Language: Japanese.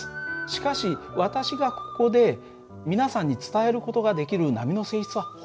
しかし私がここで皆さんに伝える事ができる波の性質はほんの僅かなんです。